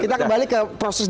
kita kembali ke proses